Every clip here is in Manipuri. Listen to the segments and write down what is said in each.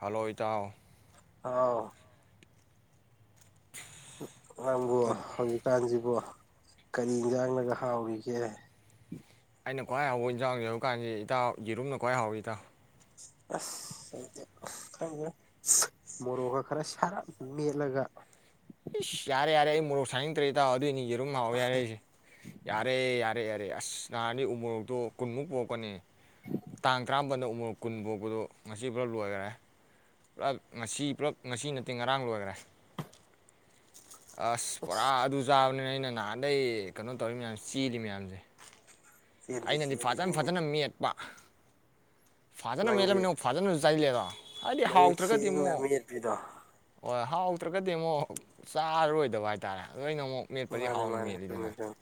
ꯍꯂ ꯪ ꯏꯇꯥꯑꯣ ꯑꯣ ꯅꯡꯕꯨ ꯑꯗꯨ ꯍꯧꯖꯤꯀꯟꯁꯤꯕꯨ ꯀꯔꯤ ꯑꯦꯟꯖꯡꯅꯒ ꯍꯥꯑꯣꯔꯤꯒꯦ ꯑꯩꯟ ꯈꯋ꯭ꯥꯏ ꯍꯥꯌꯕ ꯑꯦꯟꯁꯟꯁꯤ ꯌꯦꯔꯨꯃꯟ ꯑꯦꯖꯥꯎ ꯍꯥꯑꯣꯔꯤ ꯏꯇꯥꯑꯣ ꯎꯟ ꯃꯣꯔꯣꯀꯥ ꯈꯔꯥ ꯁꯥꯔꯞ ꯃꯦꯠꯂꯒ ꯏꯖ ꯌꯥꯔꯦ ꯌꯥꯔꯦ ꯑꯩ ꯃꯣꯔꯣꯀ ꯁꯅꯤꯪꯗꯔ꯭ꯦ ꯦꯠꯑꯣ ꯑꯗꯨꯏꯅꯤ ꯇꯦꯔꯨꯝ ꯗꯨꯝ ꯍꯥꯑꯣꯏ ꯍꯥꯢꯔꯛꯁꯤ ꯌꯥꯔꯦ ꯌꯥꯔꯦ ꯎꯟ ꯅꯥꯍꯟꯗꯤ ꯎ ꯃꯣꯔꯣꯀꯇꯨ ꯀꯨꯟꯃꯨꯛ ꯄꯨꯔꯛꯄꯅꯤ ꯇꯥꯪ ꯇꯔꯥꯃꯄꯅꯗ ꯎ ꯃꯣꯇꯣꯛ ꯀꯨꯟ ꯄꯨꯔꯛꯞꯗꯨ ꯉꯁꯤ ꯂꯣꯏꯅ ꯂꯣꯏꯒꯔ ꯄꯨꯂꯄ ꯉꯁꯤ ꯄꯨꯂꯄ ꯉꯁꯤ ꯅꯥꯇꯦ ꯉꯔꯪ ꯂꯣꯏꯒꯔ꯭ꯦ ꯎꯟ ꯄꯣꯔꯥ ꯑꯗꯨ ꯆꯥꯕꯅꯤ ꯑꯩꯟ ꯅꯥꯍꯟꯗꯩꯩ ꯀꯦꯏꯑꯣ ꯇꯧꯔꯤ ꯃꯌꯥꯃꯁꯤ ꯆꯦꯂꯤ ꯃꯌꯥꯃꯁꯤ ꯆꯦꯟꯗꯤ ꯑꯩꯅꯗꯤ ꯐꯖꯅ ꯆꯦꯟꯕꯅꯤꯍꯦ ꯐꯖꯅꯗꯤ ꯃꯦꯠꯄ ꯐꯖꯅ ꯅꯪꯒꯤ ꯃꯦꯠꯂꯥꯃꯤꯟ ꯐꯖꯅ ꯆꯩ [unintelligible] ꯍꯥꯏꯗꯤ ꯃꯌꯦꯛ ꯍꯥꯌꯔꯥꯒꯗꯤ ꯁꯦꯡꯅ ꯑꯃꯨꯛ ꯃꯦꯠꯄꯤꯗꯣ ꯍꯥꯌꯔꯥꯒꯗꯤ ꯑꯃꯣꯀ ꯆꯔꯔꯣꯌꯗꯕ ꯍꯥꯢꯇꯔꯦ ꯅꯣꯏꯅ ꯑꯃꯣꯛ ꯃꯦꯇꯄꯗꯤ ꯃꯥꯅꯦ ꯍꯥꯏꯅ ꯃꯥꯅꯦ ꯆꯨꯝꯃꯦ ꯃꯦꯠꯂꯤꯗꯅ ꯆꯨꯝꯃꯦ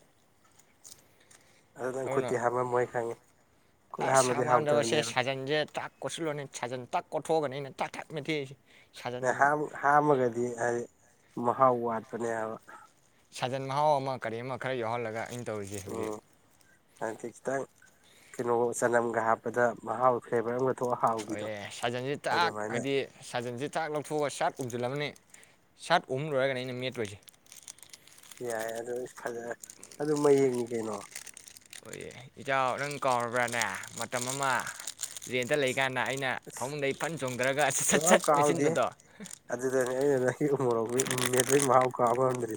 ꯑꯗꯨ ꯅꯪ ꯑꯗꯨꯅ ꯈꯨꯠꯇꯤ ꯍꯥꯝꯃꯝꯃꯣꯏ ꯈꯪꯉꯦ ꯈꯨꯠ ꯍꯥꯝꯃꯗꯤ ꯍꯥꯎꯇꯕꯅꯦꯕ ꯑꯣꯊꯣꯀꯒꯅꯤ ꯑꯩꯟ ꯊꯥꯛ ꯊꯥꯛ ꯃꯦꯠ ꯍꯥꯝ ꯍꯥꯝꯃꯒꯗꯤ ꯍꯥꯔ ꯋꯥꯠꯄꯅꯦꯕ ꯁꯥꯖꯟ ꯃꯥꯅ ꯇꯧꯔꯤꯁꯤ ꯍꯧꯖꯤꯛ ꯎꯝ ꯍꯥꯏꯗꯤ ꯈꯤꯇꯪ ꯊꯣꯛꯑ ꯍꯥꯎꯕꯤꯗꯣ ꯑꯩ ꯁꯥꯖꯟꯁꯦ ꯇꯥꯛ ꯑꯗꯨꯃꯥꯏꯅ ꯍꯥꯏꯗꯤ ꯁꯥꯖꯟꯁꯦ ꯇꯥꯛ ꯂꯧꯊꯣꯛꯑꯒ ꯁꯥꯛ ꯎꯝꯗꯨꯨꯜ ꯑꯃꯅꯦ ꯁꯥꯠ ꯑꯍꯨꯝ ꯂꯣꯏꯔꯒꯅꯤ ꯑꯩꯅ ꯃꯦꯠꯂꯣꯏꯁꯤ ꯌꯥꯏ ꯑꯗ ꯐꯖ ꯑꯗꯨꯝ ꯍꯌꯦꯡꯅꯤ ꯀꯩꯅꯣ ꯑꯩꯈꯣꯏ ꯏꯆꯥꯎ ꯅꯪ ꯀꯥꯎꯔꯕ꯭ꯔꯥꯅꯦ ꯃꯇꯝ ꯑꯃ ꯔꯦꯟꯗ ꯂꯩꯒ ꯁꯠ ꯁꯠ ꯁꯥꯎ ꯁꯠ ꯀꯥꯎꯥꯎꯗꯦ ꯃꯦꯠꯁꯤꯟꯕꯗꯣ ꯑꯗꯨꯗꯅꯤ ꯑꯩꯅ ꯅꯪꯣꯔꯣꯛ ꯃꯦꯂꯩ ꯃꯍꯥꯎ ꯀꯥꯕꯟꯗ꯭ꯔꯤ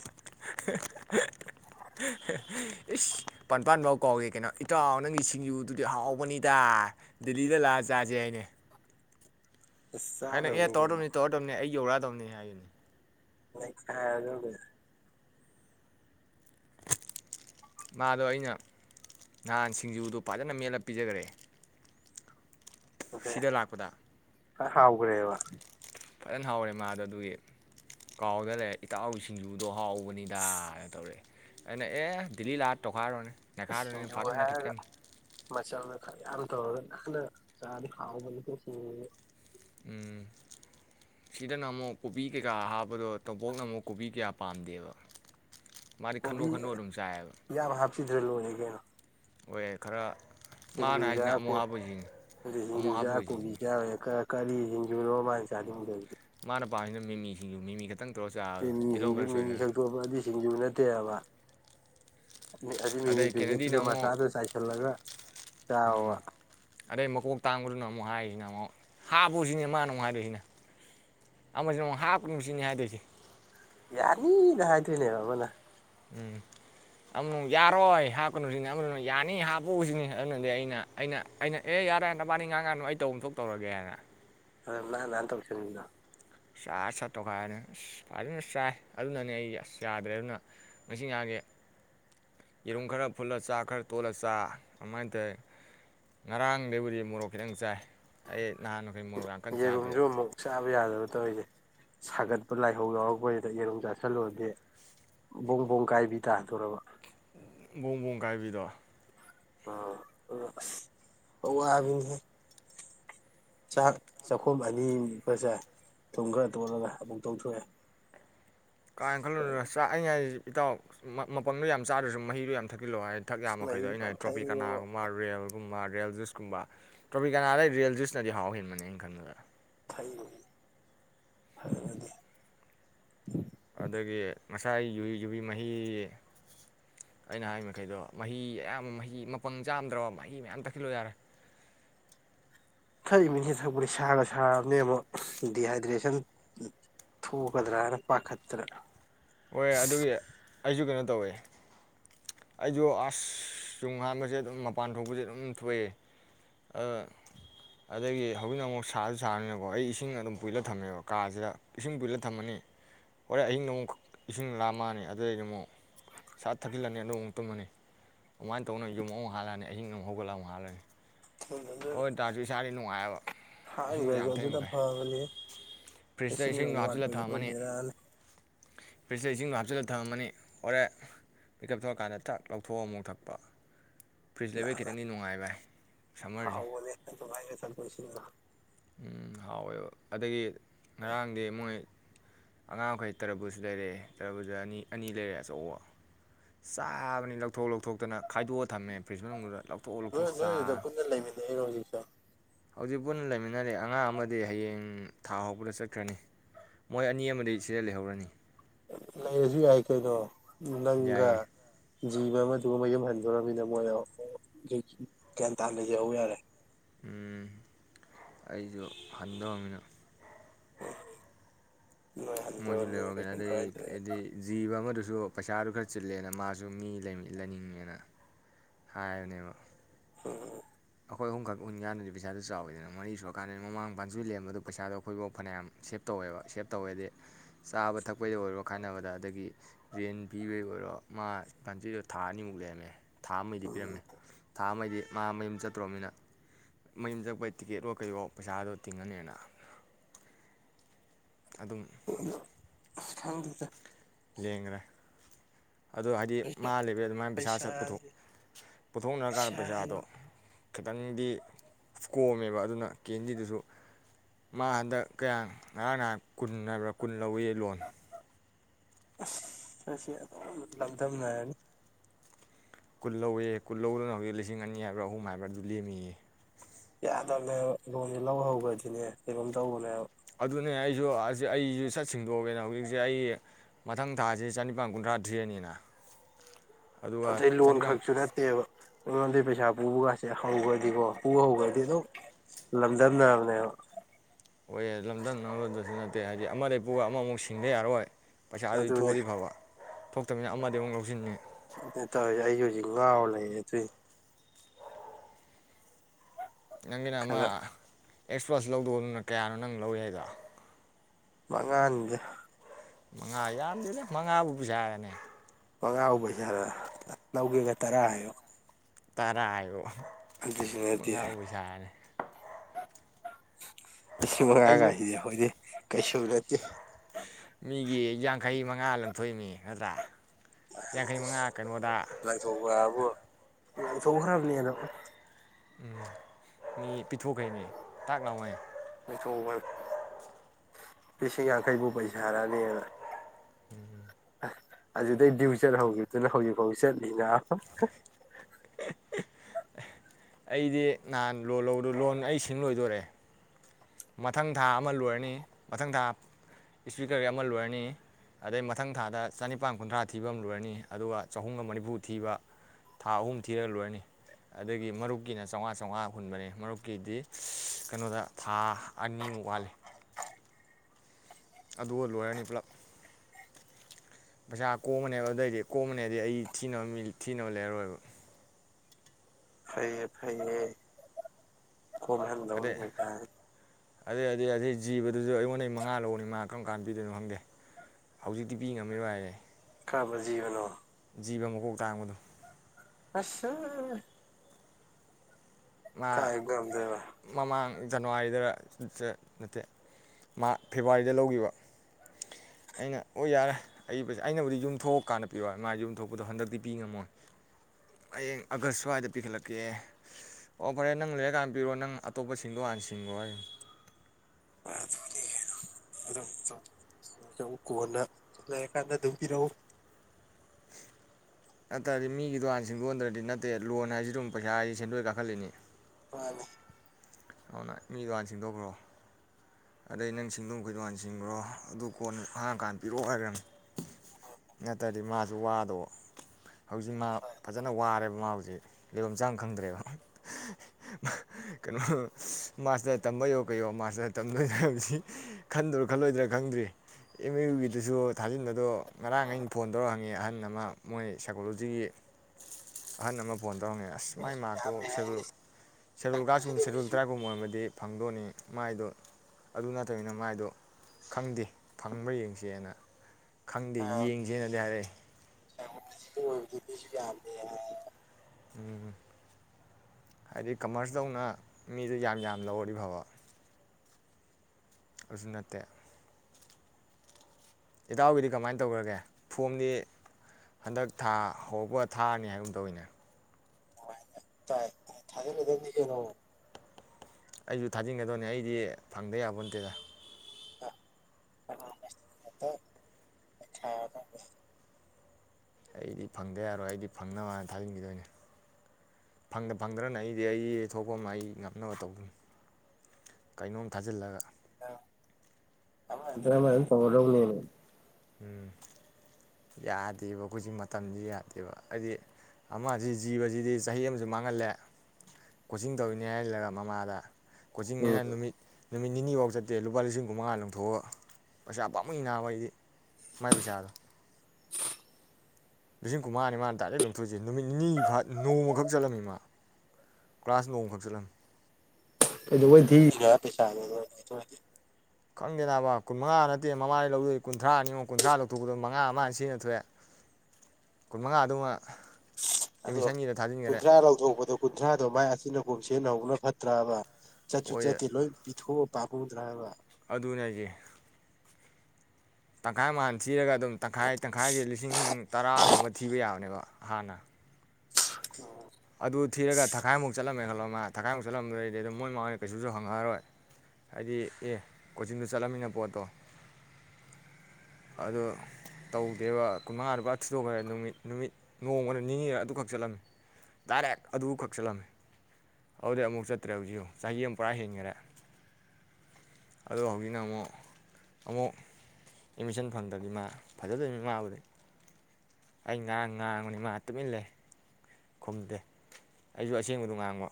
ꯏꯁꯁ ꯄꯥꯟꯄꯥꯟꯕꯥꯎ ꯀꯥꯎꯋꯤ ꯀꯩꯅꯣ ꯏꯇꯥꯎ ꯅꯪꯒꯤ ꯁꯤꯡꯖꯨꯗꯨꯗꯤ ꯍꯥꯎꯕꯅꯤꯗ ꯗꯦꯜꯂꯤꯗ ꯂꯥꯛꯑ ꯆꯥꯥꯖꯦ ꯍꯥꯏꯅꯦ꯫ ꯑꯁ ꯑꯩꯅ ꯑꯦ ꯆꯥꯗꯕꯅꯤ ꯀꯩꯅꯣ ꯇꯧꯔꯗꯧꯃꯤ ꯇꯧꯔꯗꯧꯃꯤ ꯑꯩ ꯌꯧꯔꯛ ꯇꯧꯗꯝꯃꯤ ꯍꯥꯏꯅꯦ꯫ ꯅꯩꯈꯥꯏꯔꯗꯝꯅꯤ꯫ ꯃꯥꯗꯣ ꯑꯩꯅ ꯅꯍꯥꯟ ꯁꯤꯡꯖꯨꯗꯣ ꯐꯖꯅ ꯃꯦꯠꯂ ꯄꯤꯖꯒꯔꯦ꯫ ꯁꯤꯗ ꯂꯥꯛꯄꯗ꯫ ꯐ ꯍꯥꯎꯒꯔꯦꯕ꯫ ꯐꯖꯅ ꯍꯥꯎꯔꯦ ꯃꯥꯗꯣ ꯑꯗꯨꯒꯤ ꯀꯥꯎꯗ ꯂꯩꯔꯦ ꯏꯇꯥꯎꯒꯤ ꯁꯤꯡꯖꯨꯗꯣ ꯍꯥꯎꯕꯅꯤꯗ ꯇꯧꯔꯛꯑꯦ ꯑꯩꯅ ꯑꯦ ꯗꯤꯜꯂꯤ ꯂꯥꯛꯑ ꯇꯧꯈꯥꯏꯔ ꯂꯣꯏꯔꯦ꯫ ꯏꯁ ꯁꯤꯡꯖꯨ ꯍꯥꯏꯒ ꯃꯆꯜꯒ ꯈꯌꯥꯝ ꯇꯧꯔ [unintelligible] ꯅ ꯆꯥꯔꯗꯤ ꯍꯥꯎꯕꯅꯤꯍꯦ ꯁꯤꯡꯖꯨꯗꯣ꯫ ꯎꯝ ꯁꯤꯗꯅ ꯑꯃꯨꯛ ꯀꯣꯕꯤ ꯀꯩꯀꯥ ꯍꯥꯞꯄꯗꯣ ꯇꯣꯝꯄꯣꯛꯅ ꯑꯃꯨꯛ ꯀꯣꯕꯤ ꯀꯌꯥ ꯄꯥꯝꯗꯦꯕ꯫ ꯃꯥꯗꯤ ꯈꯟꯗꯣꯛ ꯈꯟꯗꯣꯛ ꯑꯗꯨꯝ ꯆꯥꯏꯑꯦꯕ꯫ ꯄꯤꯖ ꯂꯣꯏꯔꯦ ꯀꯩꯅꯣ꯫ ꯍꯣꯏꯌꯦ ꯈꯔ ꯃꯥꯅ ꯍꯥꯏꯁꯤꯅ ꯑꯃꯨꯛ ꯁꯤꯡꯖꯨꯖꯥꯔꯀꯣ ꯍꯥꯞꯄꯁꯤꯅꯤ ꯑꯗꯨ ꯑꯃꯨꯛ ꯍꯥꯞꯄ ꯁꯤꯡꯖꯨꯖꯥꯔ ꯀꯣꯕꯤ ꯑꯣꯏꯁꯤꯁꯤꯅꯤ ꯆꯥꯔ ꯈꯔ ꯀꯔꯤ ꯁꯤꯡꯖꯨꯅꯣ ꯃꯥꯥꯏ ꯆꯥꯅꯤꯡꯗꯣꯏꯖꯦ꯫ ꯃꯥꯅꯄꯥꯝꯃꯤꯖꯤꯅ ꯃꯤꯃꯤꯁꯤꯡꯖꯨ ꯃꯤꯃꯤ ꯈꯇꯪ꯫ ꯃꯤꯃꯤ ꯁꯤꯡꯖꯨ ꯃꯤꯃꯤ ꯈꯛꯇ ꯇꯣꯠꯂꯛꯑꯗꯤ ꯁꯤꯡꯖꯨ ꯅꯠꯇꯦꯕ꯫ ꯑꯗꯨꯗꯤ ꯃꯤꯃꯤ ꯑꯗꯩ ꯄꯦꯀꯦꯠꯇꯨꯗ ꯀꯦꯅꯦꯗꯤꯅ ꯑꯃꯨꯛ ꯃꯁꯂꯥꯗꯣ ꯆꯥꯏꯁꯤꯜꯂꯒ ꯆꯥꯕ꯫ ꯑꯗꯩ ꯃꯀꯣꯛ ꯇꯥꯡꯕꯗꯨꯅ ꯑꯃꯨꯛ ꯍꯥꯏꯔꯤꯖꯤꯅ ꯑꯃꯨꯛ ꯍꯥꯞꯄꯣ ꯖꯤꯅꯤ ꯃꯥꯅ ꯑꯃꯨꯛ ꯍꯥꯏꯔꯛꯏꯖꯤꯅ ꯑꯃꯖꯤꯅ ꯑꯃꯨꯛ ꯍꯥꯞꯀꯅꯨ ꯖꯤꯅꯤ ꯍꯥꯏꯗꯣꯏꯖꯦ꯫ ꯌꯥꯅꯤ ꯗ ꯍꯥꯏꯗꯣꯏꯅꯦꯕ ꯑꯃꯅ ꯫ ꯎꯝ ꯑꯃꯃꯨꯛ ꯌꯥꯔꯣꯏ ꯍꯥꯞꯀꯅꯨꯖꯤꯅꯤ ꯑꯃꯗꯨꯅ ꯌꯥꯅꯤ ꯍꯥꯞꯄꯨꯁꯤꯅꯤ ꯑꯗꯨꯅꯗꯤ ꯑꯩꯅ ꯑꯩꯅ ꯑꯩꯅ ꯑꯦ ꯌꯥꯔꯣꯏ ꯅꯕꯥꯏꯅꯤ ꯉꯥꯡꯉꯛꯑꯅꯨ ꯑꯩ ꯇꯧꯕꯝ ꯊꯣꯛ ꯇꯧꯔꯛꯑꯒꯦꯅ꯫ ꯑꯗꯨ ꯅꯥꯟꯅꯥꯟ ꯇꯧꯁꯟꯂꯤꯅꯤꯗꯣ꯫ ꯁꯠ ꯁꯠ ꯇꯧꯈꯥꯏꯕꯅꯤ ꯑꯁ ꯐꯖꯅ ꯆꯥꯏ ꯑꯗꯨꯅꯅꯦ ꯑꯩ ꯁꯦ ꯑꯁ ꯌꯥꯗ꯭ꯔꯦ ꯑꯗꯨꯅ ꯉꯁꯤ ꯉꯔꯥꯡꯖꯦ ꯌꯦꯔꯨꯝ ꯈꯔ ꯐꯨꯠꯂ ꯆꯥ ꯈꯔ ꯇꯣꯠꯂ ꯆꯥ ꯑꯗꯨꯃꯥꯏ ꯇꯧꯔꯦ ꯉꯔꯥꯡꯗꯩꯕꯨꯗꯤ ꯃꯣꯔꯣꯛ ꯈꯤꯇꯪ ꯆꯥꯏ꯫ ꯑꯩ ꯅꯍꯥꯟ ꯃꯈꯩ ꯃꯣꯔꯣꯛ ꯌꯥꯝ ꯀꯟꯅ ꯆꯥꯗꯦ꯫ ꯀꯩꯒꯤ ꯁꯥꯒꯠꯄ ꯂꯥꯏꯍꯧ ꯌꯥꯎꯔꯛꯄ ꯑꯗꯩ ꯌꯦꯔꯨꯝ ꯆꯥꯁꯟꯂꯨꯔꯗꯤ ꯕꯣꯡ ꯕꯣꯡ ꯀꯥꯏꯕꯤ ꯇꯥꯗꯣꯔꯕ꯫ ꯕꯣꯡ ꯕꯣꯡ ꯀꯥꯏꯕꯤꯗꯣ꯫ ꯎꯝ ꯎꯝ ꯑꯁ ꯑꯋꯥꯕꯤꯅꯤꯍꯦ꯫ ꯆꯥꯛ ꯆꯈꯣꯝ ꯑꯅꯤ [unintelligible] ꯕꯖꯦ ꯊꯨꯝ ꯈꯔ ꯇꯣꯠꯂꯒ ꯑꯗꯨꯝ ꯇꯣꯛꯊꯣꯛꯑꯦ꯫ ꯀꯥ ꯍꯦꯟꯅ ꯈꯜꯂꯨꯅꯨꯗ ꯆꯥ ꯑꯩ ꯍꯥꯏꯖꯦ ꯏꯇꯥꯎ ꯃ ꯃꯄꯪꯗꯣ ꯌꯥꯝ ꯆꯥꯗ꯭ꯔꯖꯨ ꯃꯍꯤꯗꯣ ꯌꯥꯝ ꯊꯛ ꯊꯤꯜꯂꯣ ꯍꯥꯏ ꯊꯛ ꯌꯥꯕ ꯃꯍꯤ ꯃꯈꯩꯗꯣ ꯑꯩꯅ ꯍꯥꯏ ꯇ꯭ꯔꯣꯄꯤꯀꯅꯥ ꯄꯪꯊꯛꯑꯕ ꯒꯨꯝꯕ ꯔꯤꯌꯦꯜ ꯎꯝ ꯃ ꯔꯦꯜ ꯖꯨꯏꯁꯀꯨꯝꯕ ꯇꯔꯣꯄꯤꯀꯅꯥ ꯗꯩ ꯔ‌ꯦꯜ ꯖꯨꯏꯁꯅ ꯗꯤ ꯍꯥꯎꯕ ꯍꯦꯟꯕꯅꯤ ꯑꯩꯩ ꯈꯟꯕꯗ꯫ ꯊꯩꯑ ꯍꯩꯅꯗꯦ ꯑꯗꯒꯤ ꯉꯁꯥꯏ ꯌꯨ ꯌꯨꯕꯤ ꯃꯍꯤ ꯑꯩꯅ ꯍꯥꯏꯃꯈꯩꯗꯣ ꯃꯍꯤ ꯑꯌꯥꯝꯕ ꯃꯍꯤ ꯃꯄꯪ ꯆꯥꯝꯅꯇꯔꯣ ꯃꯍꯤ ꯃꯌꯥꯝ ꯊꯛꯆꯂꯨ ꯌꯥꯔꯦ꯫ ꯈꯜꯂꯤꯝꯅꯤꯅꯦ ꯁꯧꯒꯔꯤ ꯁꯥ ꯁꯥꯅ ꯁꯥꯕꯅꯦ ꯑꯃꯨꯛ ꯗꯤꯍꯥꯏꯗꯔꯦꯁꯟ ꯊꯣꯛꯀꯗ꯭ꯔꯥꯅ ꯄꯥꯈꯠꯄꯗ꯫ ꯍꯣꯏ ꯑꯗꯨꯒꯤ ꯑꯩꯖꯨ ꯀꯩꯅꯣ ꯇꯧꯋꯦ꯫ ꯑꯩꯖꯨ ꯑꯁ ꯌꯨꯡ ꯍꯥꯟꯕꯖꯦ ꯑꯗꯨꯝ ꯃꯄꯥꯟ ꯊꯣꯛꯄꯁꯦ ꯑꯗꯨꯝ ꯊꯣꯛꯑꯦ ꯑ ꯑꯗꯒꯤ ꯍꯧꯖꯤꯛꯅ ꯑꯃꯨꯛ ꯁꯥꯖꯨ ꯁꯥꯕꯅꯤꯅꯀꯣ ꯑꯩ ꯏꯁꯤꯡ ꯑꯗꯨꯝ ꯄꯨꯖꯤꯜꯂ ꯊꯝꯃꯦꯕ ꯀꯥꯖꯤꯗ ꯏꯁꯤꯡ ꯄꯨꯖꯤꯜꯂ ꯊꯝꯃꯅꯤ ꯍꯣꯔꯦꯟ ꯑꯍꯤꯡꯗ ꯑꯃꯨꯛ ꯈꯨ ꯏꯁꯤꯡ ꯂꯥꯝ ꯃꯥꯛꯑꯅꯤ ꯑꯗꯨꯗꯩꯗ ꯑꯃꯨꯛ ꯁꯠ ꯊꯛꯆꯤꯜꯂꯅꯤ ꯑꯗꯨ ꯃꯨꯛ꯫ ꯇꯨꯝꯃꯅꯤ ꯑꯗꯨꯃꯥꯏ ꯇꯧꯅ ꯌꯨꯡ ꯑꯃꯨꯛ ꯍꯥꯜꯂꯅꯤ ꯑꯍꯤꯡ ꯑꯃꯨꯛ ꯍꯧꯒꯠꯂ ꯍꯥꯜꯂꯅꯤ ꯫ [unintelligible] ꯍꯥꯟꯒꯤꯕ ꯏꯁꯤꯡꯗꯣ ꯍꯥꯢꯖꯦ ꯌꯥꯝ ꯊꯛꯏ ꯑꯗꯨꯅ ꯃꯈꯩ ꯐꯕꯅꯤꯍꯦ ꯐ꯭ꯔꯤꯖꯇ ꯏꯁꯤꯡꯒ ꯋꯥꯠꯄꯁꯦ ꯄꯨꯔ ꯕꯦꯔꯥꯅꯤ꯫ ꯐ꯭ꯔꯤꯁꯇ ꯏꯁꯤꯡ ꯍꯥꯞꯆꯤꯜꯂꯒ ꯊꯅꯝꯃꯅꯤ ꯍꯣꯔꯦꯜ ꯃꯤꯀꯞ ꯊꯣꯔꯛꯑꯀꯥꯟꯗ ꯊꯛ ꯂꯧꯊꯣꯛꯑꯒ ꯑꯃꯨꯛ ꯊꯛꯄ꯫ ꯐ꯭ꯔꯤꯁ ꯂꯩꯕꯩ ꯅꯍꯥꯟꯅ ꯈꯤꯇꯡꯗꯤ ꯅꯨꯡꯉꯥꯏ ꯕꯥꯏ꯫ ꯍꯥꯎꯕꯅꯦ ꯑꯗꯨꯃꯥꯏ [unintelligible] [inaudible] ꯂꯧꯊꯣꯛ ꯂꯧꯊꯣꯛꯇꯅ ꯈꯥꯏꯗꯣꯛꯑ ꯊꯝꯃꯦ ꯐ꯭ꯔꯤꯁ ꯃꯅꯨꯛꯗꯨꯗ ꯂꯧꯊꯣꯛꯑ ꯅꯣꯏ ꯂꯧꯊꯣꯛꯑꯒ ꯅꯣꯏꯗꯨꯗ ꯆꯥꯕꯅꯤ꯫ ꯄꯨꯟꯅ ꯂꯩꯃꯤꯟꯅꯩꯔꯣ ꯍꯧꯖꯤꯛꯁꯦ ꯍꯧꯖꯤꯛ ꯄꯨꯟꯅ ꯂꯩꯃꯤꯟꯅꯔꯤ ꯑꯉꯥꯡ ꯑꯃꯗꯤ ꯍꯌꯦꯡ ꯊꯥ ꯍꯧꯔꯛꯗ ꯆꯠꯈ꯭ꯔꯅꯤ ꯃꯣꯏ ꯑꯅꯤ ꯑꯃꯗꯤ ꯁꯤꯗ ꯂꯩꯍꯧꯔꯅꯤ꯫ [unintelligible] ꯂꯩꯔꯖꯨ ꯌꯥꯏ ꯀꯩꯅꯣ꯫ ꯅꯪꯒ ꯌꯥꯏꯌꯦ ꯖꯤꯕ ꯑꯃꯖꯤ ꯃꯌꯨꯝ ꯍꯟꯗꯣꯏꯔꯕꯅꯤꯅ ꯃꯣꯏ [unintelligible] ꯒꯌꯥꯟ ꯇꯥꯅ ꯂꯩꯖꯍꯧ ꯌꯥꯔꯦ꯫ ꯎꯝ ꯑꯩꯖꯨ ꯍꯟꯗꯣꯔꯃꯤꯅ [unintelligible] ꯃꯣꯏꯖꯨ ꯍꯟꯗꯣꯔꯕꯅꯤꯅ ꯀꯩꯁꯨꯝ ꯂꯩꯍꯧꯔꯒꯦꯍꯥꯏꯗꯩ ꯀꯥꯏꯗ꯭ꯔꯦ ꯑꯗꯩ ꯖꯤꯕ ꯑꯃꯗꯨꯖꯨ ꯄꯩꯁꯥꯗꯣ ꯈꯔ ꯆꯤꯜꯂꯦꯅ ꯃꯥꯖꯨ ꯃꯤ ꯂꯩꯃ ꯂꯩꯅꯤꯡꯉꯦꯅ ꯍꯥꯏꯕꯅꯦꯕ꯫ ꯎꯝ꯫ ꯑꯩꯈꯣꯅ ꯑꯍꯨꯝ ꯈꯛ ꯎꯟ ꯀꯥꯟꯗꯗꯤ ꯄꯩꯁꯥꯗꯣ ꯆꯥꯎꯏꯗꯅ ꯃꯔꯤ ꯁꯨꯔꯛ ꯀꯥꯟꯗꯗꯤ ꯃꯃꯥꯡ ꯕꯥꯟꯖꯨꯢ ꯂꯩꯔꯝꯕꯗꯣ ꯄꯩꯁꯥꯗꯣ ꯑꯩꯈꯣꯏꯕꯨꯛ ꯐꯅꯌꯥꯝ ꯁꯦꯞ ꯇꯧꯑꯦꯕ ꯁꯦꯞ ꯇꯧꯌꯦꯗꯤ ꯆꯥꯕ ꯊꯛꯄꯩꯗ ꯑꯣꯏꯔꯣ ꯈꯥꯢꯅꯕꯗ ꯑꯗꯒꯤ ꯔꯦꯟ ꯄꯤꯕꯩꯕꯨ ꯑꯣꯏꯔꯣ ꯃꯥ ꯕꯥꯟꯖꯤꯗꯣ ꯊꯥ ꯑꯅꯤꯃꯨꯛ ꯂꯩꯔꯝꯃꯦ ꯊꯥ ꯑꯃꯩꯗꯤ ꯄꯤꯔꯝꯃꯦ ꯊꯥ ꯑꯃꯗꯤ ꯃꯥ ꯃꯌꯨꯝ ꯆꯠ ꯇ꯭ꯔꯣꯃꯤꯅ ꯃꯌꯨꯝ ꯆꯠꯄꯩ ꯇꯤꯀꯦꯠ ꯑꯣ ꯀꯩꯑꯣ ꯄꯩꯁꯥꯗꯣ ꯇꯤꯡꯉꯅꯦꯅ꯫ [unintelligible] ꯈꯪꯗꯦꯗ ꯂꯦꯡꯉꯔꯦ꯫ ꯑꯗꯣ ꯍꯥꯏꯗꯤ ꯄꯩꯁꯥ ꯃꯥ ꯂꯩꯕꯩ ꯑꯗꯨꯃꯥꯏ ꯄꯩꯁꯥ ꯁꯠ ꯄꯨꯊꯣꯛ ꯄꯩꯁꯥꯁꯦ ꯄꯨꯊꯣꯛꯅꯔꯀꯥꯟ ꯄꯩꯁꯥ ꯄꯩꯁꯥꯗꯣ ꯍꯥꯏꯌꯦ ꯈꯤꯇꯪꯗꯤ ꯀꯣꯝꯃꯦꯕ ꯑꯗꯨꯅ ꯀꯦꯟꯗꯤꯗꯨꯗꯁꯨ ꯃꯥ ꯍꯟꯗꯛ ꯀꯌꯥꯝ ꯅꯔꯥꯡ ꯅꯍꯥꯟ ꯀꯨꯟ ꯍꯥꯏꯕ꯭ꯔꯥ ꯀꯨꯟ ꯂꯧꯑꯦꯌꯦ ꯂꯣꯟ ꯑꯁ ꯃꯁꯤ ꯑꯗꯨꯝ ꯂꯝꯗꯝꯅꯔꯅꯤ꯫ ꯀꯨꯟ ꯂꯧꯑꯦꯌꯦ ꯀꯨꯟ ꯂꯧꯕꯗꯨꯅ ꯍꯧꯖꯤꯛ ꯂꯤꯁꯤꯡ ꯑꯅꯤ ꯍꯥꯏꯕ꯭ꯔꯥ ꯑꯍꯨꯝ ꯍꯥꯏꯕ꯭ꯔꯥ ꯑꯗꯨ ꯂꯦꯝꯃꯦꯌꯦ꯫ ꯌꯥꯗꯕꯅꯦꯕ ꯂꯣꯟꯖꯦ ꯂꯧ ꯍꯧꯒ꯭ꯔꯗꯤꯅꯦ ꯀꯩꯅꯣꯝ ꯇꯧꯕꯅꯦꯕ꯫ ꯑꯗꯨꯅꯦ ꯑꯩꯖꯨ ꯑꯁꯤ ꯑꯩꯖꯨ ꯁꯠ ꯁꯤꯡꯠꯣꯛꯑꯒꯦꯅ ꯍꯧꯖꯤꯛꯁꯦ ꯑꯩ ꯃꯊꯪ ꯊꯥꯖꯦ ꯆꯥꯅꯤꯄꯤꯟ ꯀꯨꯟꯊ꯭ꯔꯥ ꯊꯤꯔꯅꯤꯅ꯫ ꯑꯗꯨꯒ ꯑꯗꯩ ꯂꯣꯟ ꯆꯅꯤꯄꯥꯟ ꯈꯛꯁꯨ ꯅꯠꯇꯦꯕ ꯃꯤꯉꯣꯟꯗꯩ ꯄꯩꯁꯥ ꯄꯨꯕ ꯀꯥꯁꯦ ꯍꯧꯒ꯭ꯔꯗꯤꯀꯣ ꯄꯨꯕ ꯍꯧꯒ꯭ꯔꯗꯤ ꯑꯗꯨꯝ ꯂꯝꯗꯝꯅꯕꯅꯦꯕ꯫ ꯍꯣꯢꯑꯦ ꯂꯝꯗꯝꯅ ꯗꯁꯨ [unintelligible] ꯍꯥꯏꯗꯤ ꯑꯃꯗꯩ ꯄꯨꯕ ꯑꯃꯃꯨꯛ ꯁꯤꯡꯗ ꯌꯔꯣꯏ ꯄꯩꯁꯥꯗꯣ ꯑꯗꯨꯅꯦ ꯊꯣꯛꯑꯗꯤ ꯐꯕ꯫ ꯊꯣꯛꯇꯃꯤꯅ ꯑꯃꯗꯩ ꯑꯃꯨꯛ ꯂꯧꯁꯤꯟꯅꯤ ꯗ ꯇꯧꯋꯤꯖ‌ꯦ ꯑꯩꯖꯨ ꯍꯨꯖꯤꯛ ꯉꯥꯎꯔ ꯂꯩꯔ‌ꯦ ꯑꯗꯨꯢꯅꯤ ꯅꯪ ꯒꯤꯅꯥ ꯑꯃꯥ ꯈꯔ [unintelligible] ꯂꯧꯗꯧ ꯗꯨꯅ ꯀꯌꯥꯅꯣ ꯅꯪ ꯂꯧꯏ ꯍꯥꯏꯗꯣ ꯃꯉꯥꯅꯤꯗ ꯃꯉꯥꯕꯨ ꯌꯥꯝꯗꯦꯗꯥ ꯃꯉꯥ ꯕꯨ ꯄꯩꯁꯥꯔꯅꯦ ꯃꯉꯥ ꯕꯨ ꯄꯩꯁꯥꯔꯥ ꯂꯧꯒꯦ ꯒ ꯇꯔꯥ ꯍꯥꯏꯌꯨ ꯇꯔꯥ ꯍꯥꯏꯌꯨ ꯑꯗꯨꯏꯁꯨ ꯅꯠꯇꯦ ꯂꯤꯁꯤꯡ ꯃꯉꯥ ꯑꯩꯁꯨ ꯒꯥꯡ ꯍꯥꯌꯗꯨ ꯀꯩꯁꯨ ꯅꯠꯇꯦ ꯊꯣꯛ ꯑꯦ ꯃꯤ ꯅꯥꯠꯔꯥ ꯂꯪ ꯊꯣꯛ ꯄꯥ ꯍꯥꯏꯕꯨ ꯂꯥꯪꯊꯣꯛ ꯈꯔ꯭ꯃꯤ ꯑꯗꯨꯝ ꯃꯤ ꯄꯤꯊꯣꯛ ꯈꯤꯃꯤ ꯇꯥꯛ ꯂꯥꯎꯃꯩ ꯂꯩꯊꯣꯛꯄꯅꯦ ꯂꯤꯁꯤꯡ ꯌꯥꯡꯈꯦ ꯕꯨ ꯄꯩꯁꯔꯅꯦꯅ [inaudible] ꯑꯗꯨꯗꯩꯩ ꯗꯨꯏ ꯆꯠ ꯍꯧꯒꯤꯕꯗꯨꯅ ꯍꯧꯖꯤꯛꯐꯥꯎꯕ ꯆꯠꯂꯤ ꯅ ꯑꯩꯗꯤ ꯅꯍꯥꯟ ꯂꯣꯂꯣ ꯂꯣꯟ ꯂꯧꯕꯗꯨ ꯁꯤꯡꯕ ꯂꯣꯏꯗꯣꯔꯦ ꯃꯇꯨꯪ ꯊꯥ ꯑꯃ ꯂꯣꯏꯔꯅꯤ ꯃꯊꯪ ꯊꯥ ꯁꯄꯤꯀꯔ ꯑꯃꯥ ꯂꯣꯏꯔꯥꯅꯤ ꯑꯗꯩꯩ ꯆꯥꯅꯤꯄꯟ ꯀꯨꯟꯊꯔꯥ ꯊꯤꯕꯥ ꯑꯃꯥ ꯂꯣꯌꯔꯅꯤ ꯑꯗꯨꯒꯥ ꯆꯥꯍꯨꯝ ꯃꯔꯤꯒꯨ ꯊꯤꯕꯥ ꯊꯥ ꯑꯍꯨꯝ ꯊꯤꯔꯥ ꯂꯣꯏꯔ꯭ꯅꯤ ꯑꯗꯩ ꯃꯔꯨꯞ ꯀꯤꯅꯥ ꯆꯝꯉꯥ ꯆꯝꯉꯥ ꯍꯨꯟꯕꯅꯤ ꯃꯔꯨꯞ ꯀꯤꯗꯤ ꯀꯩꯅꯣꯗ ꯑꯅꯤꯃꯨꯛ ꯋꯥꯠꯂꯤ ꯑꯗꯨꯒꯥ ꯂꯣꯏꯔꯅꯤ ꯄꯨꯂꯞ ꯄꯩꯁꯥ ꯀꯣꯝ ꯃꯅꯤ ꯑꯗꯦꯏꯗꯤ ꯀꯣꯝꯃꯥꯅꯤ ꯍꯥꯏꯗꯤ ꯊꯤꯅꯕꯥ ꯂꯩꯔꯔꯣꯏ ꯑꯥ ꯕ ꯐꯩ ꯑ ꯐꯩ ꯑ ꯑꯦꯗꯩꯩ ꯖꯤꯕꯗꯨꯁꯨ ꯃꯉꯥ ꯂꯧꯕꯅꯤ ꯀꯔꯝ ꯀꯟꯗ ꯄꯤꯗꯣꯏꯅꯣ ꯀꯨꯪꯗꯦ ꯍꯖꯤꯛ ꯇꯤ ꯄꯤꯕꯥ ꯉꯝꯃꯤꯔꯣꯏ ꯍꯥꯏ ꯑꯥ ꯀꯔꯝꯕꯥ ꯖꯤꯕꯅꯨ ꯖꯤꯕꯥ ꯃꯀꯣꯛ ꯇꯥꯪꯕꯗꯨ ꯑꯁꯥꯁ [unintelligible] ꯖꯅꯨꯅꯔꯨ ꯗ ꯅꯠꯇꯦ ꯃꯥ ꯗꯦꯕꯨꯔꯤ ꯗ ꯂꯧꯒꯤꯕꯥ ꯋꯥꯏꯅꯕꯨꯗꯨ ꯍꯣꯏ ꯌꯥꯔꯦ ꯑꯩꯅꯕꯨꯗꯤ ꯌꯨꯝ ꯊꯣꯀ ꯀꯅ ꯗ ꯄꯤꯔꯀ ꯎ ꯍꯥꯏꯕꯅꯤ ꯍꯣ ꯇꯥꯔꯦ ꯅꯒ ꯂꯩꯔꯀ ꯀꯟꯗꯥ ꯄꯤꯔꯛ ꯑꯣ ꯑꯇꯣꯞꯄ ꯁꯤꯪꯗꯣ ꯍꯟꯅꯥ ꯁꯤꯪ ꯑꯣ ꯍꯥꯏꯒꯤꯕꯅꯤ ꯑꯗꯨꯅꯤ ꯑꯗꯨꯝ [unintelligible] ꯃꯤꯒꯤꯗꯨ ꯍꯟꯅꯥ ꯁꯤꯪꯗꯣꯛ ꯍꯟꯗꯔꯥ ꯗ ꯅꯠꯇꯦ ꯂꯣꯟ ꯍꯥꯏ ꯕꯨ ꯁꯦꯟꯗꯣꯏ ꯀꯈꯠ ꯂꯤꯅꯤ ꯃꯃꯤ ꯑꯗꯨꯅ ꯃꯤꯗꯤꯗꯨ ꯍꯟꯅꯥ ꯁꯤꯪꯗꯣꯛ ꯈꯔꯣ ꯑꯗꯦꯏ ꯅꯪꯅ ꯁꯤꯪꯗꯤ ꯗꯤ ꯍꯟꯅꯥ ꯁꯤꯪꯒꯔꯣ ꯑꯗꯨꯒꯥ ꯀꯣꯟꯅꯥ ꯍꯟꯒ ꯀꯥꯟꯗ ꯄꯤꯔꯛꯑꯣ ꯍꯥꯌꯒꯤꯕꯅꯤ ꯅꯥꯠꯔꯗꯤ ꯃꯁꯨ ꯋ꯭ꯗꯣꯕꯥ ꯍꯧꯖꯤꯛ ꯝ ꯇꯥꯖꯅꯥ ꯋꯔꯦ ꯂꯩꯕꯥꯝ ꯆꯥꯐꯝ ꯈꯡ ꯗꯔ꯭ꯦ ꯕ ꯃꯁꯇꯦꯔ ꯇꯝꯕꯔꯥ ꯌꯦꯡ ꯑꯣ ꯃꯁꯇ꯭ꯦꯔ ꯇꯝꯕꯥ ꯍꯧꯖꯤꯛ ꯈꯟꯗꯣ ꯈꯟꯂꯣꯏꯗꯔꯥ ꯈꯪꯗꯔ꯭ꯤ ꯃꯤꯁꯨ ꯌꯥꯝꯃꯦ ꯍꯥꯏꯅꯤ ꯁꯔꯀꯣꯁꯤꯗ ꯃꯤꯁꯨ ꯇꯔꯤꯕꯦ ꯀꯨꯝꯕꯥ ꯑꯣꯏꯔꯃ ꯃꯥꯗꯤ ꯒꯥꯪꯗꯣꯅꯤ ꯃꯥꯏꯗꯨ ꯑꯗꯨꯅꯠꯇꯕꯅꯤꯅꯥ ꯃꯥꯢꯗꯨ ꯀꯨꯡꯗꯦ ꯗꯥꯪꯕꯔꯥ ꯌꯦꯡ ꯁꯤ ꯅꯥ ꯈꯡꯗꯦ ꯌꯦꯡ ꯁꯤꯅꯗꯤ ꯍꯥꯏꯔꯀ ꯏ ꯀꯜꯂ ꯒꯤꯗꯤ ꯌꯥꯗꯦ ꯎ ꯍꯥꯏꯗꯤ ꯀꯝꯃꯤꯁꯦ ꯇꯧꯅ ꯃꯤꯗꯨ ꯌꯥꯝ ꯂꯧꯔꯗꯤ ꯗꯕ ꯑꯗꯨꯁꯨ ꯅꯠꯇꯦ ꯏꯇꯧ ꯒꯤ ꯗꯤ ꯀꯃꯥꯏ ꯇꯧꯒꯔꯦ [unintelligible] ꯑꯩ ꯁꯨ ꯊꯖꯤꯟꯗꯣꯅꯤ ꯑꯩ ꯗꯤ ꯗꯥꯪꯗ ꯌꯥꯕꯣꯅꯠꯇꯦꯗꯥ [unintelligible] ꯗꯥꯪꯗꯥ ꯌꯥꯔꯣꯏ ꯗꯥꯪꯅꯕ ꯊꯖꯤꯟ ꯗꯣꯏꯅꯤ ꯒꯥꯪꯗ ꯗꯥꯪꯗꯔꯒꯅꯥ ꯑꯇꯣꯞꯄ ꯑꯩ ꯉꯝꯅꯕꯥ ꯀꯩ ꯅꯣꯝ ꯊꯥꯖꯤꯟ ꯂꯒ [unintelligible] ꯑꯃ ꯅꯠꯇ꯭ꯔ ꯑꯃ ꯗꯨꯝ ꯇꯧꯔꯗꯧꯅꯦꯕ ꯎꯝ ꯌꯥꯗꯦꯕ ꯑꯈꯣꯏꯁꯦ ꯃꯇꯝꯁꯦ ꯌꯥꯗ꯭ꯔꯦꯕ ꯑꯩꯗꯤ ꯑꯃ ꯖꯤ ꯖꯤꯕ ꯖꯤꯗꯤ ꯆꯍꯤ ꯑꯝꯁꯨ ꯃꯥꯡꯍꯜꯂꯦ ꯀꯣꯆꯤꯡ ꯇꯧꯂꯤꯅꯦ ꯍꯥꯏꯔꯒ ꯃꯃꯥꯗ ꯀꯣꯆꯤꯡ ꯅꯦꯅ ꯎꯝ ꯅꯨꯃꯤꯠ ꯅꯨꯃꯤꯠ ꯅꯤꯅꯤ ꯕꯥꯏ ꯆꯠꯇꯦ ꯂꯨꯄꯥ ꯂꯤꯁꯤꯡ ꯀꯨꯟ ꯃꯉꯥ ꯂꯪꯊꯣꯛꯑꯒ ꯃꯥꯏ ꯄꯩꯁꯥꯗꯣ ꯂꯤꯁꯤꯡ ꯀꯨꯟ ꯃꯉꯥꯅꯤ ꯃꯥꯅ ꯗꯥꯏꯂꯦꯛ ꯂꯪꯊꯣꯛꯏꯁꯦ ꯅꯨꯃꯤꯠ ꯅꯤꯅꯤ ꯐꯥ ꯅꯣꯡꯃ ꯈꯔ ꯆꯠꯂꯝꯃꯦ ꯃꯥ ꯀ꯭ꯂꯥꯁ ꯅꯣꯡꯃꯈꯛ ꯆꯠꯂꯝ ꯀꯩꯗꯧꯕꯩ ꯊꯤꯔꯤꯅꯤꯍꯥꯏ ꯄꯩꯁꯥꯅꯣꯕ ꯑꯗꯣꯏꯗꯤ ꯈꯪꯗꯦ ꯅꯝꯊꯥꯛ ꯀꯨꯟ ꯃꯉꯥ ꯅꯠꯇꯦ ꯃꯃꯥꯗꯩ ꯂꯧꯔꯥꯗꯣ ꯀꯨꯟꯊ꯭ꯔꯥꯅꯤ ꯌꯥꯡꯉꯨ ꯀꯩꯟꯊ꯭ꯔꯥ ꯂꯧꯊꯣꯛꯄꯗ ꯃꯉꯥ ꯑꯃ ꯃꯥꯅ ꯁꯤꯖꯤꯟꯅꯊꯣꯛꯑꯦ ꯀꯨꯟꯃꯉꯥ ꯗꯨꯃ [unintelligible] ꯑꯗꯣ ꯀꯨꯟꯊ꯭ꯔꯥ ꯂꯧꯊꯣꯛꯄꯗꯣ ꯀꯨꯟꯊ꯭ꯔꯥꯗꯣ ꯃꯥꯏ ꯑꯆꯤꯛꯄ ꯑꯀꯣꯝ ꯁꯤꯖꯤꯟꯄꯍꯧ [unintelligible] ꯐꯠꯇ꯭ꯔꯕ ꯆꯇ꯭ꯔꯨꯛ ꯑꯣꯏ ꯆꯇ꯭ꯔꯦꯠ ꯂꯣꯏ ꯄꯤꯊꯣꯛ ꯄꯥꯃꯨꯗ꯭ꯔꯕ ꯍꯥꯏꯕ ꯑꯗꯨꯅꯦ ꯍꯥꯏꯖꯦ ꯇꯪꯈꯥꯏ ꯃ ꯍꯥꯟ ꯊꯤꯔꯒ ꯗꯨꯝ ꯇꯪꯈꯥꯏ ꯇꯪꯈꯥꯏꯖꯦ ꯂꯤꯁꯤꯡ ꯇꯔꯥ ꯒꯨꯝꯕ ꯊꯤꯕ ꯌꯥꯕꯅꯦꯕ ꯍꯥꯟꯅ [unintelligible] ꯑꯗꯨ ꯊꯤꯔꯒ ꯊꯈꯥꯏ ꯃꯨꯛ ꯆꯠꯂꯝꯃꯦ ꯈꯜꯂꯣ ꯃꯥ ꯊꯈꯥꯏ ꯃꯨꯛ ꯆꯠꯂꯝꯕꯗꯩꯗꯤ ꯑꯗꯨꯝ ꯃꯣꯏ ꯃꯥ ꯍꯣꯏꯅ ꯀꯩꯁꯨꯝꯁꯨ ꯍꯪꯉꯛꯑꯔꯣꯏ ꯍꯥꯏꯗꯤ ꯑꯦ ꯀꯣꯆꯤꯡꯗꯣ ꯆꯠꯂꯝꯅꯤꯅ ꯄꯣꯠꯇꯣ ꯑꯗꯣ ꯇꯧꯗꯦꯕ ꯀꯨꯟꯃꯉꯥ ꯄꯨꯂꯞ ꯊꯤꯗꯣꯛꯈ꯭ꯔꯦ ꯅꯨꯃꯤ ꯅꯨꯃꯤꯠ ꯅꯣꯡꯃꯔ ꯅꯤꯅꯤꯔ ꯑꯗꯨ ꯈꯔ ꯆꯠꯂꯝꯃꯦ ꯗꯥꯏꯔꯦꯛ ꯑꯗꯨꯈꯛ ꯆꯠꯂꯝꯃꯦ ꯑꯗꯨꯗꯩ ꯑꯃꯨꯛ ꯆꯠꯇ꯭ꯔꯦ ꯍꯧꯖꯤꯛ ꯌꯦꯡꯎ ꯆꯍꯤ ꯑꯃ ꯄꯨꯔꯥ ꯍꯦꯟꯒ꯭ꯔꯦ ꯑꯗꯣ ꯍꯧꯖꯤꯛꯅ ꯑꯃꯨꯛ ꯑꯃꯨꯛ ꯑꯦꯗꯃꯤꯁꯟ ꯐꯪꯗ꯭ꯔꯗꯤ ꯃꯥ ꯐꯖꯗꯣꯏꯅꯤ ꯃꯥꯕꯨꯗꯤ ꯑꯩ ꯉꯥꯔꯥꯡ ꯉꯥꯡꯕꯅꯦ ꯃꯥ ꯇꯨꯃꯤꯟ ꯂꯩ꯫ ꯈꯨꯝꯗꯦ ꯑꯩꯁꯨ ꯑꯁꯦꯡꯕꯗꯨ ꯉꯥꯡꯕ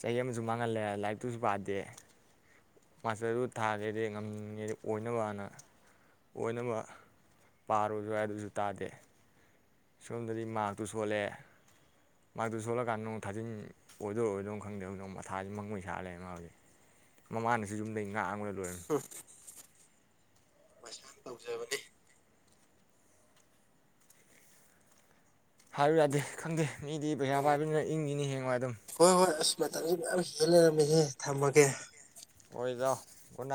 ꯆꯍꯤ ꯑꯃꯁꯨꯡ ꯃꯥꯡꯍꯜꯂꯦ ꯂꯥꯏꯔꯤꯛꯇꯨꯁꯨ ꯄꯥꯗꯦ ꯃꯥꯁꯇꯔꯗꯨ ꯊꯥꯒꯦꯗꯤ ꯉꯝꯒꯦꯗꯤ ꯑꯣꯏꯅꯕ ꯍꯥꯟꯅ ꯑꯣꯏꯅꯕ ꯄꯥꯔꯣꯖꯨ ꯍꯥꯏ ꯑꯗꯨꯁꯨ ꯇꯥꯗꯦ ꯁꯣꯝꯗꯗꯤ ꯃꯥꯥꯛꯇꯨ ꯁꯣꯜꯂꯦ ꯃꯥꯛꯇꯨ ꯁꯣꯜꯂꯀꯥꯟꯗ ꯅꯣꯡ ꯊꯥꯖꯤꯟ ꯑꯣꯏꯗꯣꯏ ꯑꯣꯏꯗꯧ ꯈꯪꯗꯦꯕ ꯍꯧꯖꯤꯛ ꯃꯊꯥꯁꯤ ꯃꯪꯒꯣꯏ ꯁꯥ ꯂꯩ ꯃꯥ ꯍꯧꯖꯤꯛ ꯃꯃꯥꯅꯁꯨ ꯌꯨꯝꯗꯩ ꯉꯥꯡꯕ [unintelligible] ꯃꯩꯁꯥꯅ ꯇꯧꯖꯕꯅꯦ ꯍꯥꯏꯔꯨ ꯌꯥꯗꯦ ꯈꯪꯗꯦ ꯃꯤꯗꯤ ꯄꯩꯁꯥ ꯄꯥꯏꯕꯅꯤꯅ ꯏꯪꯉꯤꯅꯤ ꯍꯦꯡꯋꯥꯏ ꯑꯗꯨꯝ ꯃꯇꯝ ꯌꯥꯝ ꯍꯦꯜꯂꯔꯝꯃꯤꯍꯦ ꯊꯝꯃꯒꯦ꯫ ꯈꯣꯏ ꯏꯇꯥꯎ ꯒꯨꯗ ꯅꯥꯏꯠ